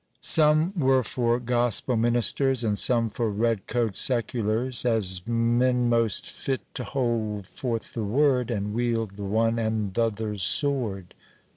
Some were for gospel ministers, And some for red coat seculars, As men most fit t' hold forth the word, And wield the one and th' other sword.